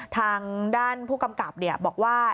ทางด้านผู้กำกับบอกว่า